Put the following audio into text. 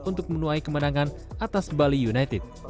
untuk menuai kemenangan atas bali united